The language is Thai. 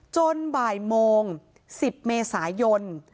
บ่ายโมง๑๐เมษายน